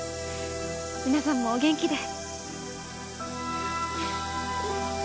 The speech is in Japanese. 皆さんもお元気で。